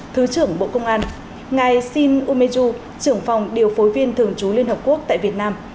thứ trưởng bộ công an ngài shin umeju trưởng phòng điều phối viên thường trú liên hợp quốc tại việt nam